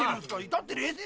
至って冷静。